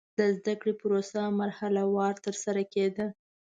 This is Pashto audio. د زده کړې پروسه مرحله وار ترسره کېده.